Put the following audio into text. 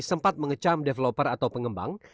sempat mengecam developer atau pengembang